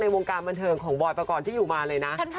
วงการบันเทิงของบอยปกรณ์ที่อยู่มาเลยนะ